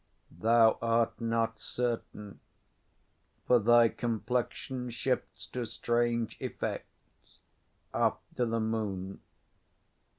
Thou art not certain; For thy complexion shifts to strange effects, After the moon.